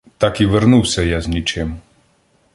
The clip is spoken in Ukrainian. Так і вернув я з нічим.